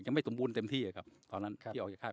ไม่สมบูรณ์เต็มที่ครับตอนนั้นที่ออกจากค่าย